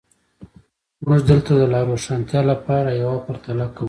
موږ دلته د لا روښانتیا لپاره یوه پرتله کوو.